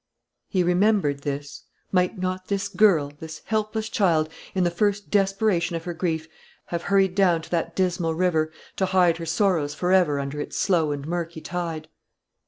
He remembered this. Might not this girl, this helpless child, in the first desperation of her grief, have hurried down to that dismal river, to hide her sorrows for ever under its slow and murky tide?